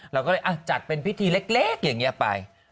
เราก็เลยจัดเป็นพิธีเล็กอย่างนี้ไป